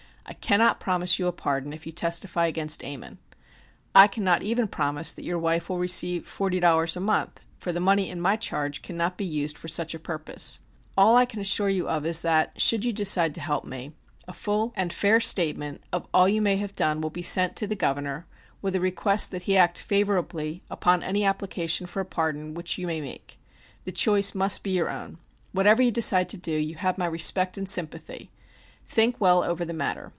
I cannot promise you a pardon if you testify against Ammon. I cannot even promise that your wife will receive forty dollars a month, for the money in my charge cannot be used for such a purpose; all I can assure you of is that, should you decide to help me, a full and fair statement of all you may have done will be sent to the Governor with a request that he act favorably upon any application for a pardon which you may make. The choice must be your own. Whatever you decide to do, you have my respect and sympathy. Think well over the matter.